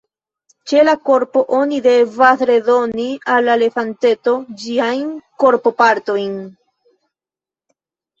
Ĉe la korpo oni devas redoni al la elefanteto ĝiajn korpopartojn.